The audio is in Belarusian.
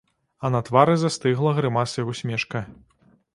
А на твары застыгла грымасай усмешка.